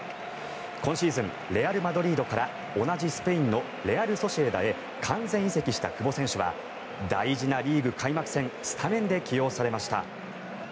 今シーズンレアル・マドリードから同じスペインのレアル・ソシエダへ完全移籍した久保選手は大事なリーグ開幕戦スタメンで起用されました。